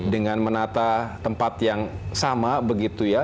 dengan menata tempat yang sama begitu ya